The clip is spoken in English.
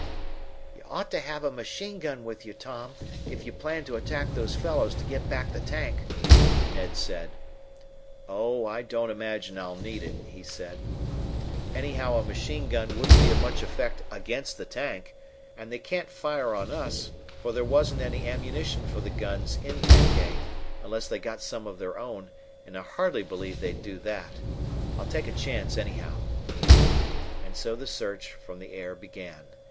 "You ought to have a machine gun with you, Tom, if you plan to attack those fellows to get back the tank," Ned said. "Oh, I don't imagine I'll need it," he said. "Anyhow, a machine gun wouldn't be of much effect against the tank. And they can't fire on us, for there wasn't any ammunition for the guns in Tank A, unless they got some of their own, and I hardly believe they'd do that. I'll take a chance, anyhow." And so the search from the air began.